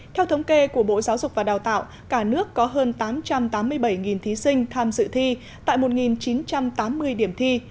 theo thống kê của bộ giáo dục và đào tạo cả nước có hơn tám trăm tám mươi bảy thí sinh tham dự thi tại một chín trăm tám mươi điểm thi